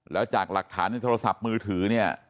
แล้วจากหลักฐานในโทรศัพท์มือถือเนี่ย